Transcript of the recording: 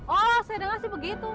wah saya dengar sih begitu